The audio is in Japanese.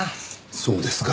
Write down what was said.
そうですか。